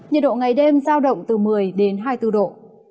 nhiệt độ ngày đêm giao động từ một mươi đến hai mươi bốn độ